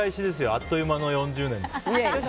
あっという間の４０年です。